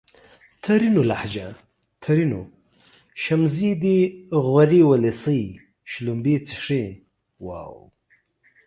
ترينو لهجه ! ترينو : شمزې دي غورې اولسۍ :شلومبې چښې